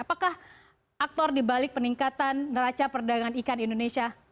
apakah aktor di balik peningkatan neraca perdagangan ikan di indonesia